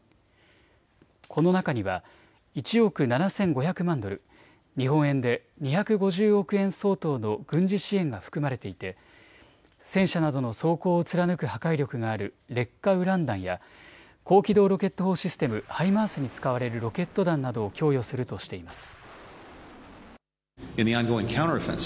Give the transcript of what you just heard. この中には１億７５００万ドル、日本円で２５０億円相当の軍事支援が含まれていて戦車などの装甲を貫く破壊力がある劣化ウラン弾や高機動ロケット砲システム・ハイマースに使われるロケット弾などを供与するとしています。